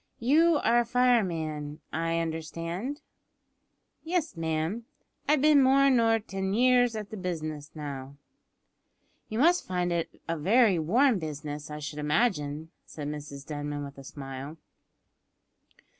"You are a fireman, I understand?" "Yes, ma'am," replied Joe, "I've bin more nor tin years at the business now." "You must find it a very warm business, I should imagine," said Mrs Denman, with a smile.